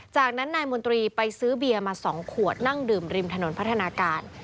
จากนั้นนายมนตรีไปซื้อเบียร์มา๒ขวดนั่งดื่มริมถนนพัฒนาการ